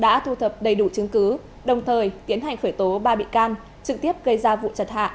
đã thu thập đầy đủ chứng cứ đồng thời tiến hành khởi tố ba bị can trực tiếp gây ra vụ chặt hạ